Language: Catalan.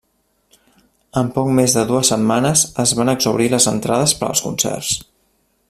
En poc més de dues setmanes, es van exhaurir les entrades per als concerts.